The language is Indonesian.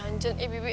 ganjil eh bibi ah